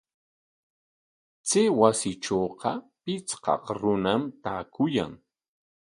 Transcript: Chay wasitrawqa pichqaq runam taakuyan.